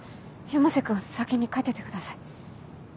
山瀬君は先に帰っててください。